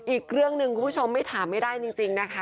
อีกเรื่องหนึ่งคุณผู้ชมไม่ถามไม่ได้จริงนะคะ